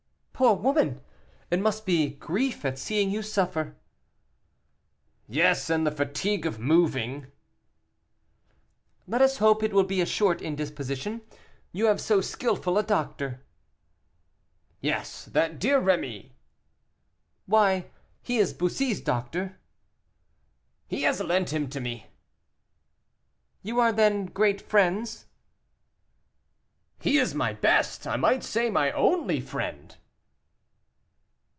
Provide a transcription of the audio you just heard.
poor woman! it must be grief at seeing you suffer." "Yes, and the fatigue of moving." "Let us hope it will be a short indisposition. You have so skilful a doctor." "Yes, that dear Rémy " "Why, he is Bussy's doctor." "He has lent him to me." "You are, then, great friends?" "He is my best, I might say my only, friend."